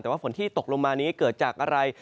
แต่ว่าฝนที่ตกลงมานี้เกิดจากอะไร